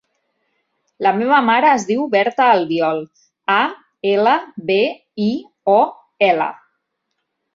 La meva mare es diu Berta Albiol: a, ela, be, i, o, ela.